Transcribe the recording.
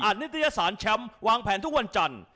นิตยสารแชมป์วางแผนทุกวันจันทร์